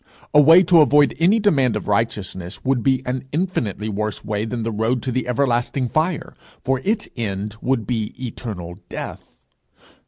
A way to avoid any demand of righteousness would be an infinitely worse way than the road to the everlasting fire, for its end would be eternal death.